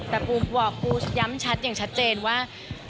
แต่ปูบอกปูย้ำชัดอย่างชัดเจนว่า